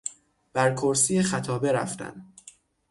بر کرسی خطابه رفتن